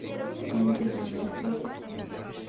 Atangiza iki gikorwa